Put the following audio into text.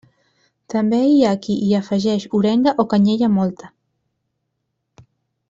També hi ha qui hi afegeix orenga o canyella mòlta.